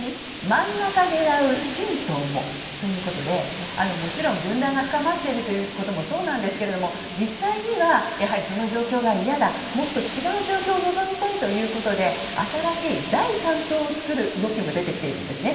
真ん中狙う新党も。ということでもちろん分断が深まっているということもそうなんですけど実際には、その状況が嫌だもっと違う状況を望みたいということで新しい第三党を作る動きも出てきているんですね。